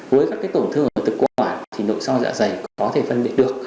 với các tổn thương ở thực quản thì nội soi dạ dày có thể phân biệt được